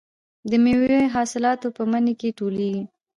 د میوو حاصلات په مني کې ټولېږي.